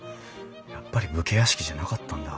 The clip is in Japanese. やっぱり武家屋敷じゃなかったんだ。